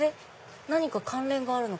何か関連があるのかしら？